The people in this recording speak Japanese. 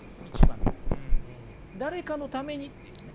「誰かのために」っていうね